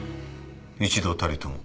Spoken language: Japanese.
一度たりとも。